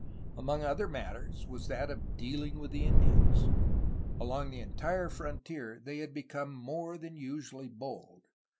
Among other matters was that of dealing with the Indians. Along the entire frontier they had become more than usually bold.